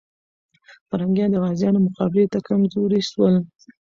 پرنګیان د غازيانو مقابلې ته کمزوري سول.